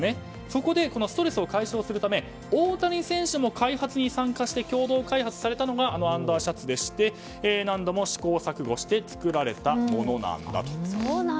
そこでストレスを解消するため大谷選手も開発に参加して共同開発されたのがあのアンダーシャツでして何度も試行錯誤して作られたものなんだと。